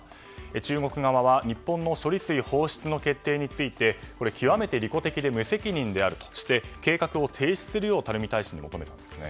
中国側は日本の処理水放出の決定について極めて利己的で無責任であるとして計画を停止するよう垂大使に求めたんですね。